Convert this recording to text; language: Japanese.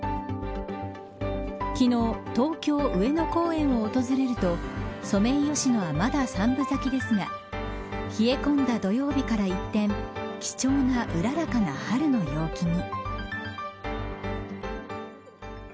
昨日、東京上野公園を訪れるとソメイヨシノはまだ３分咲きですが冷え込んだ土曜日から一転貴重な、うららかな春の陽気に。